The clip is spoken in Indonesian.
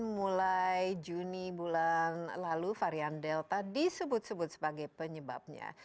mulai juni bulan lalu varian delta disebut sebut sebagai penyebabnya